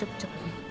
cukup cukup cukup